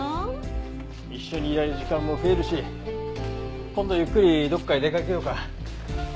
一緒にいられる時間も増えるし今度ゆっくりどこかへ出かけようか。